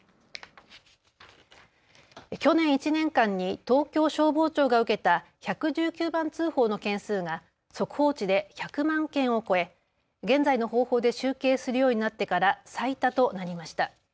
去年１年間に東京消防庁が受けた１１９番通報の件数が速報値で１００万件を超え現在の方法で集計するようになってから最多となりました。